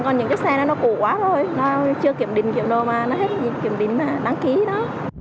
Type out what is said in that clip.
còn những cái xe đó nó cũ quá thôi nó chưa kiểm định kiểm đồ mà nó hết kiểm định mà đăng ký đó